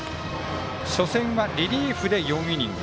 初戦はリリーフで４イニング。